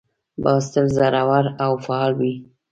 باز تل زړور او فعال وي